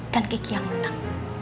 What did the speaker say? dan kiki yang menang